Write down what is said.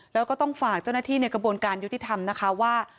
แล้วก็ต้องฝากเจ้าหน้าที่ในกระบวนการยุติธรรมนะคะว่า